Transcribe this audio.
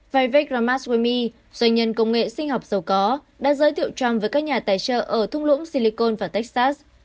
vivek ramaswamy doanh nhân công nghệ sinh học giàu có đã giới thiệu trump với các nhà tài trợ ở thung lũng silicon và texas